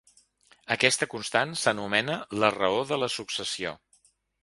Aquesta constant s'anomena la raó de la successió.